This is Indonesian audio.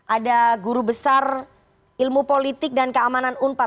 ada guru besar ilmu politik dan keamanan unpad